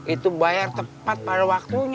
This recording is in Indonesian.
itu bayar tepat pada waktunya